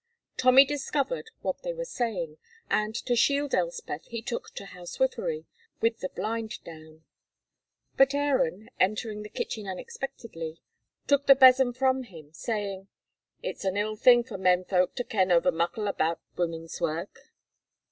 Tommy discovered what they were saying, and to shield Elspeth he took to housewifery with the blind down; but Aaron, entering the kitchen unexpectedly, took the besom from, him, saying: "It's an ill thing for men folk to ken ower muckle about women's work."